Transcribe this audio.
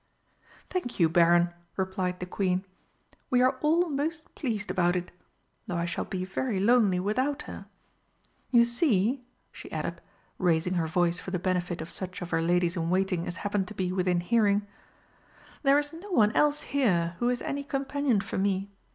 "Thank you, Baron," replied the Queen. "We are all most pleased about it. Though I shall be very lonely without her. You see," she added, raising her voice for the benefit of such of her ladies in waiting as happened to be within hearing, "there is no one else here who is any companion for me.